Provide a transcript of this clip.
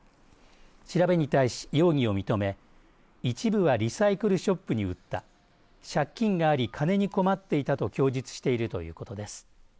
調べに対し容疑を認め一部はリサイクルショップに売った借金があり、金に困っていたと供述しているということです。